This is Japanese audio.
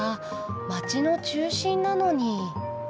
街の中心なのに。